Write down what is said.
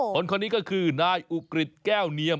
คนนี้ก็คือนายอุกฤษแก้วเนียม